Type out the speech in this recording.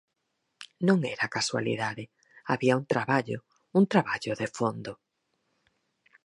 Non era casualidade, había un traballo, un traballo de fondo.